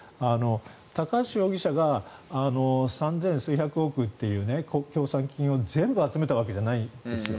高橋容疑者が３０００数百億という協賛金を全部集めたわけじゃないですよ。